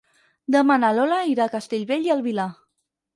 Demà na Lola irà a Castellbell i el Vilar.